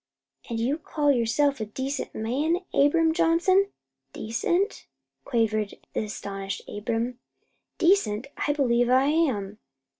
"An' you call yourself a decent man, Abram Johnson?" "Decent?" quavered the astonished Abram. "Decent? I believe I am."